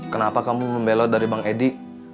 kenapa kamu membelot dari bang edi